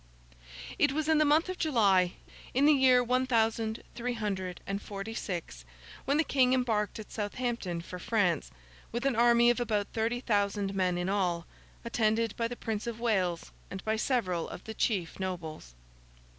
It was in the month of July, in the year one thousand three hundred and forty six, when the King embarked at Southampton for France, with an army of about thirty thousand men in all, attended by the Prince of Wales and by several of the chief nobles.